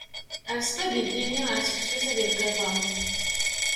Err spagiti-nni ar tseksut ad yeqqiṭṭer.